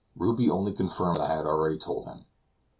Ruby only confirmed what I had already told him.